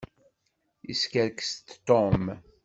Iskerkes-d Tom.